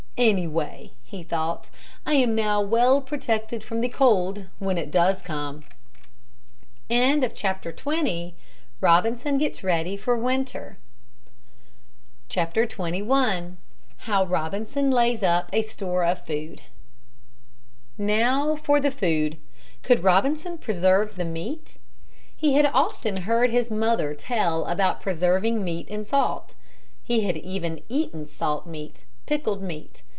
"Anyway," he thought, "I am now well protected from the cold, when it does come." [Illustration: ROBINSON IN HIS NEW SUIT] XXI HOW ROBINSON LAYS UP A STORE OF FOOD Now for the food. Could Robinson preserve the meat? He had often heard his mother tell about preserving meat in salt. He had even eaten salt meat, pickled meat.